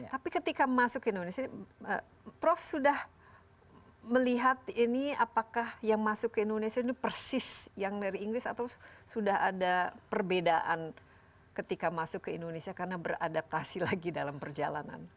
tapi ketika masuk ke indonesia prof sudah melihat ini apakah yang masuk ke indonesia ini persis yang dari inggris atau sudah ada perbedaan ketika masuk ke indonesia karena beradaptasi lagi dalam perjalanan